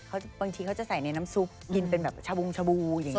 บางทีเขาจะใส่ในน้ำซุปกินเป็นแบบชาบงชาบูอย่างนี้